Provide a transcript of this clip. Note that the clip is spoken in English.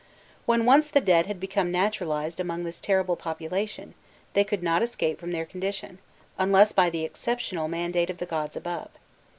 When once the dead had become naturalized among this terrible population, they could not escape from their condition, unless by the exceptional mandate of the gods above.